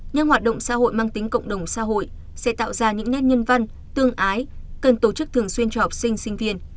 những hoạt động xã hội mang tính cộng đồng xã hội sẽ tạo ra những nét nhân văn tương ái cần tổ chức thường xuyên cho học sinh sinh viên